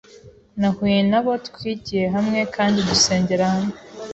Nahuye na bo, twigiye hamwe kandi dusengera hamwe